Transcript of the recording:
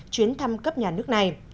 chuyến thăm cấp nhà nước này